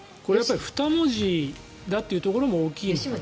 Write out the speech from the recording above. ２文字だというところも大きいよね。